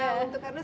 ada rencana untuk